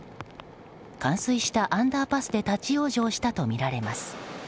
冠水したアンダーパスで立ち往生したとみられます。